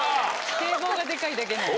堤防がデカいだけなんだ。